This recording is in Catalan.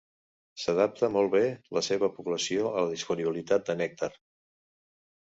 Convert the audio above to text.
S'adapta molt bé la seva població a la disponibilitat de nèctar.